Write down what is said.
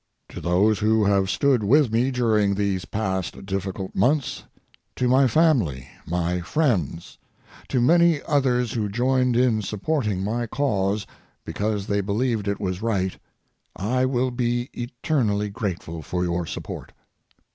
To those who have stood with me during these past difficult months, to my family, my friends, to many others who joined in supporting my cause because they believed it was right, I will be eternally grateful for your support.